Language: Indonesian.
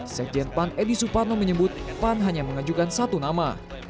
sekjen pan edi suparno menyebut pan hanya mengajukan satu nama